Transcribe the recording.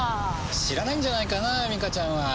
知らないんじゃないかなミカちゃんは。